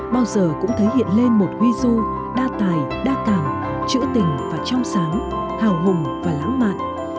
bao giờ cũng thể hiện lên một huy du đa tài đa cảm trữ tình và trong sáng hào hùng và lãng mạn